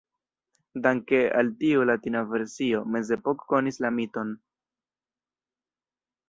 Danke al tiu Latina versio, Mezepoko konis la miton.